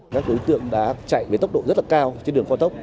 các đối tượng đã chạy với tốc độ rất là cao trên đường cao tốc